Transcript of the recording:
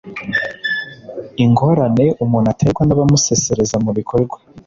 ingorane umuntu aterwa n’abamusesereza mu bikorwa